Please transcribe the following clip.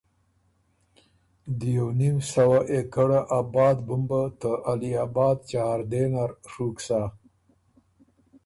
دیوونیم سوه اېکړه آباد بُمبه ته علی اباد چهارده نر ڒُوک سَۀ۔